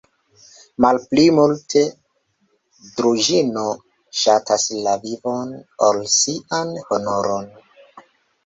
Malpli multe Druĵino ŝatas la vivon, ol sian honoron!